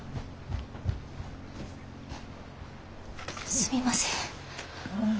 すみません。